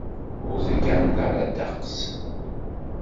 Ur tegganeḍ ara ddeqs.